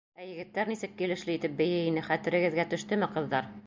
Ә егеттәр нисек килешле итеп бейей ине, хәтерегеҙгә төштөмө, ҡыҙҙар?!